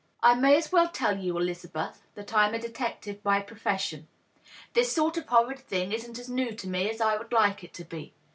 " I may as well tell you, Elizabeth, that I'm a detective by profession. This sort of horrid thing isn't as new to me as I would like it to be.